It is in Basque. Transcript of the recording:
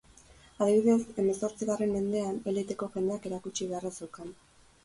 Adibidez, hemezortzigarren mendean, eliteko jendeak erakutsi beharra zeukan.